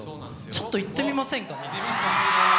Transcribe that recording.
ちょっと行ってみませんか？